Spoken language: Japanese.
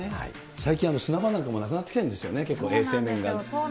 最近、砂場なんかもなくなってきてるんですよね、結構衛生面でね。